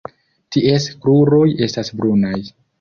Ties kruroj estas brunaj.